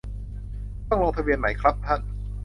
ต้องลงทะเบียนไหมครับท่าน